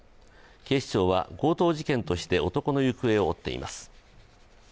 警視庁は強盗事件として男の行方を追っています。